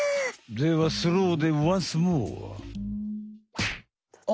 ではスローでワンスモア！